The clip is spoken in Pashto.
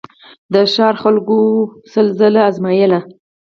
د ښار خلکو وو سل ځله آزمېیلی